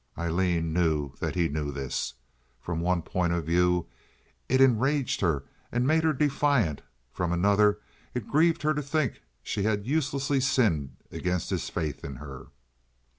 Aileen knew that he knew this. From one point of view it enraged her and made her defiant; from another it grieved her to think she had uselessly sinned against his faith in her.